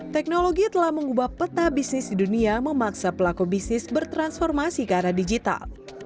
teknologi telah mengubah peta bisnis di dunia memaksa pelaku bisnis bertransformasi ke arah digital